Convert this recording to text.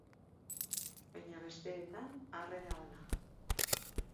Baina besteetan, harrera ona.